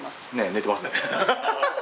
寝てますね。